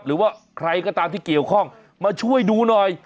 หรือว่าใครก็ตามที่เกี่ยวข้องมาช่วยดูหน่อย